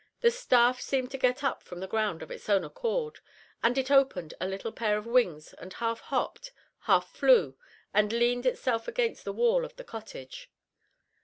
The staff seemed to get up from the ground of its own accord, and it opened a little pair of wings and half hopped, half flew and leaned itself against the wall of the cottage.